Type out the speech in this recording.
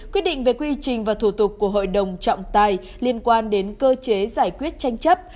quyết định về quy trình và thủ tục của hội đồng trọng tài liên quan đến cơ chế giải quyết tranh chấp